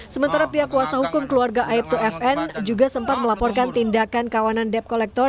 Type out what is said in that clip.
sementara pihak kuasa hukum keluarga aibto fn juga sempat melaporkan tindakan kawanan depkolektor